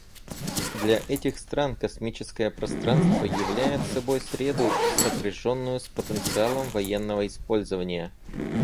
Для этих стран космическое пространство являет собой среду, сопряженную с потенциалом военного использования.